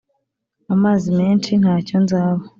amazi menshi, ntacyo nzaba